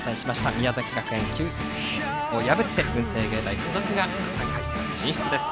宮崎学園を破って文星芸大付属が３回戦進出です。